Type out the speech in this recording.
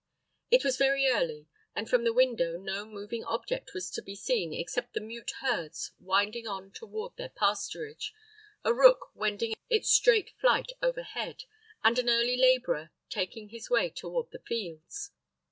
It was very early, and from the window no moving object was to be seen except the mute herds winding on toward their pasturage, a rook wending its straight flight overhead, and an early laborer taking his way toward the fields.